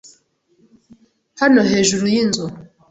Hano hejuru yinzu.